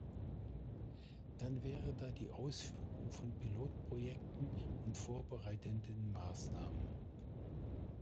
Dann wäre da die Ausführung von Pilotprojekten und vorbereitenden Maßnahmen.